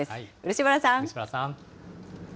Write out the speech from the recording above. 漆原さん。